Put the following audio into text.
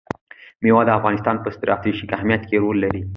مېوې د افغانستان په ستراتیژیک اهمیت کې رول لري.